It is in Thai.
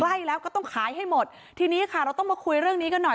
ใกล้แล้วก็ต้องขายให้หมดทีนี้ค่ะเราต้องมาคุยเรื่องนี้กันหน่อย